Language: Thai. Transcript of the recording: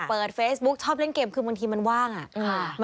เปิดเฟซบุ๊กชอบเล่นเกมคือบางทีมันว่างอ่ะค่ะ